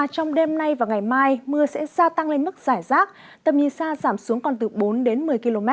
trong đêm nay và ngày mai mưa sẽ gia tăng lên mức giải rác tầm nhìn xa giảm xuống còn từ bốn đến một mươi km